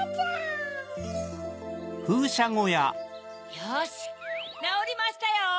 よしなおりましたよ！